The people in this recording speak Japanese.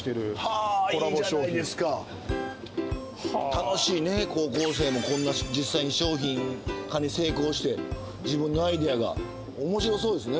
楽しいね高校生もこんな実際に商品化に成功して自分のアイデアが面白そうですね